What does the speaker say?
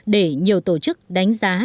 để nhiều tổ chức đánh giá